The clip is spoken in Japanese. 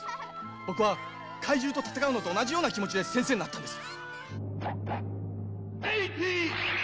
僕は怪獣と戦うのと同じような気持ちで先生になったんです。